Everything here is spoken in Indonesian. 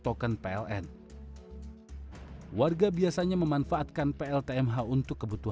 rata rata perbulan masyarakat harus menggunakan aliran listrik yang lebih stabil